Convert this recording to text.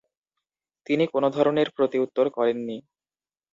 তিনি কোন ধরনের প্রতিউত্তর করেন নি।